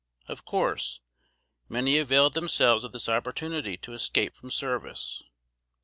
Of course many availed themselves of this opportunity to escape from service.